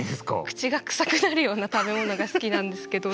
口が臭くなるような食べ物が好きなんですけど。